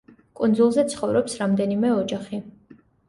კუნძულზე ცხოვრობს რამდენიმე ოჯახი.